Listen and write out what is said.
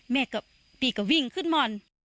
แม่ก็ตีกว่าวิ่งขึ้นมอน